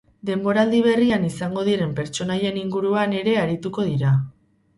Denboraldi berrian izango diren pertsonaien inguruan ere arituko dira.